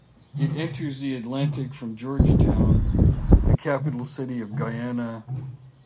It enters the Atlantic from Georgetown, the capital city of Guyana.